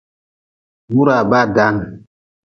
Wuraa baa daan.